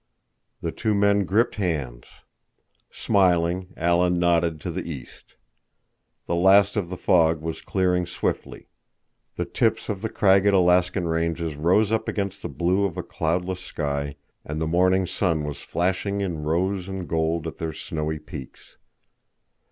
The two men gripped hands. Smiling, Alan nodded to the east. The last of the fog was clearing swiftly. The tips of the cragged Alaskan ranges rose up against the blue of a cloudless sky, and the morning sun was flashing in rose and gold at their snowy peaks.